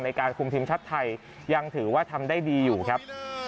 ในการคุมทีมชาติไทยยังถือว่าทำได้ดีอยู่ครับ